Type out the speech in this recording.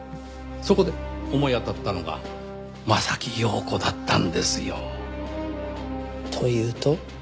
そこで思い当たったのが柾庸子だったんですよ。というと？